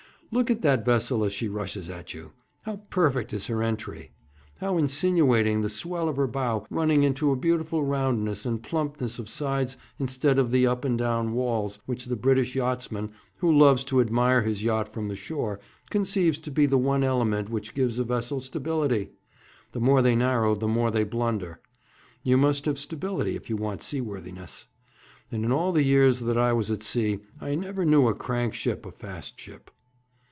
Look at that vessel as she rushes at you. How perfect is her entry! How insinuating the swell of her bow, running into a beautiful roundness and plumpness of sides instead of the up and down walls which the British yachtsman, who loves to admire his yacht from the shore, conceives to be the one element which gives a vessel stability! The more they narrow, the more they blunder. You must have stability if you want seaworthiness. And in all the years that I was at sea I never knew a crank ship a fast ship.'